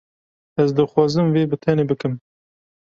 Ez dixwazim vê bi tenê bikim.